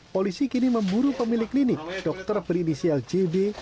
polisi kini memburu pemilik klinik dokter berinisial jb